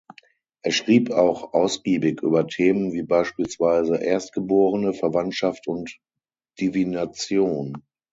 Er schrieb auch ausgiebig über Themen wie beispielsweise Erstgeborene, Verwandtschaft und Divination.